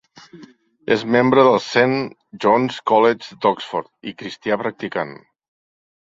És membre del Saint John's College d'Oxford i cristià practicant.